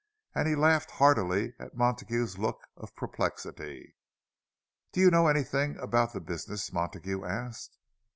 And he laughed heartily at Montague's look of perplexity. "Do you know anything about the business?" Montague asked.